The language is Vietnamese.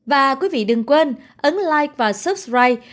và quý vị đừng quên ấn like và subscribe